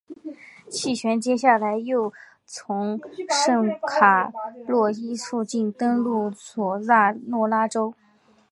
气旋接下来又从圣卡洛斯附近登陆索诺拉州。